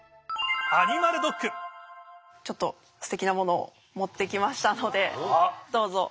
ちょっとすてきなものを持ってきましたのでどうぞ。